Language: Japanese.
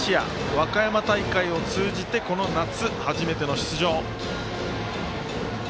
和歌山大会を通じてこの夏初めての出場。